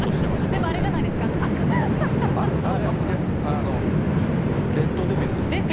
でもあれじゃないですか、悪魔じゃないですか、あのドリンクレッドデビルです。